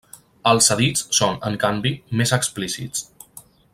Els hadits són, en canvi, més explícits.